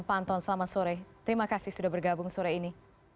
pak anton selamat sore terima kasih sudah bergabung sore ini